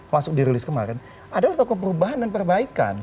masuk dirilis kemarin adalah tokoh perubahan dan perbaikan